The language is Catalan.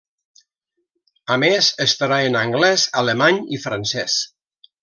A més estarà en anglès, alemany i francès.